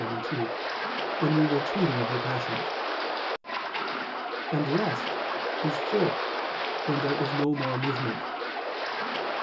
1, 2), when we were treating of the passions: and rest is full when there is no more movement.